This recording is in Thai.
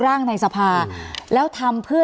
ร่างในสภาแล้วทำเพื่อ